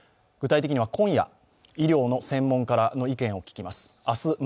具体的には今夜、医療の専門家らの意見を聞きます。